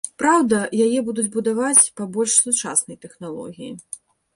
Праўда, яе будуць будаваць па больш сучаснай тэхналогіі.